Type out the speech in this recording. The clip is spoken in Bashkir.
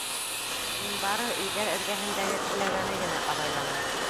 Мин бары өйҙәр эргәһендәге күләгәне генә абайланым.